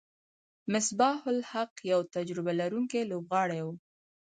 مصباح الحق یو تجربه لرونکی لوبغاړی وو.